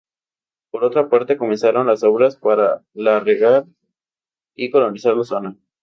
Por otra parte, comenzaron las obras para la regar y colonizar la zona.